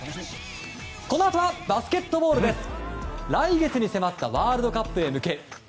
このあとはバスケットボールです。